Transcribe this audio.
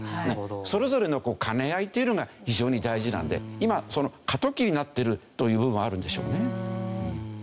それぞれの兼ね合いというのが非常に大事なんで今その過渡期になってるという部分あるんでしょうね。